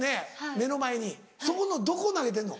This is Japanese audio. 目の前にそこのどこ投げてんの？